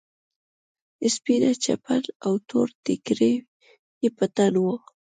سپينه چپن او تور ټيکری يې په تن و.